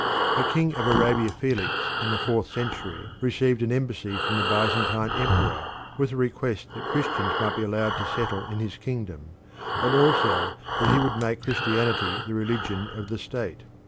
A king of Arabia, Felix, in the fourth century received an embassy from the Byzantine emperor, with a request that Christians might be allowed to settle in his kingdom, and also that he would make Christianity the religion of the state.